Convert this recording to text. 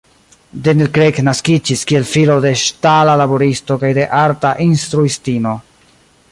Daniel Craig naskiĝis kiel filo de ŝtala laboristo kaj de arta instruistino.